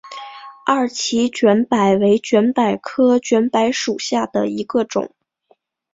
二歧卷柏为卷柏科卷柏属下的一个种。